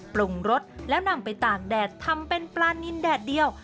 ปรุงรสแล้วนำไปตากแดดทำเป็นปลานินแดดเดียว